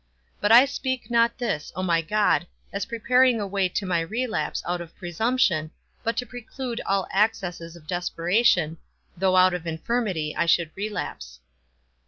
But I speak not this, O my God, as preparing a way to my relapse out of presumption, but to preclude all accesses of desperation, though out of infirmity I should relapse.